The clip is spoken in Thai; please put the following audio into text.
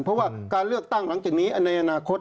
เพราะว่าการเลือกตั้งหลังจากนี้ในอนาคต